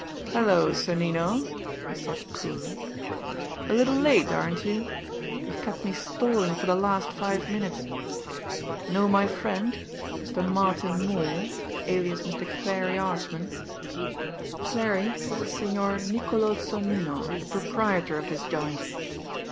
"Hello, Sonnino!" he said coolly. "A little late, aren't you? You've kept me stalling for the last five minutes. Know my friend Mr. Martin Moore, alias Mr. Clarie Archman? Clarie, this is Signor Niccolo Sonnino, the proprietor of this joint."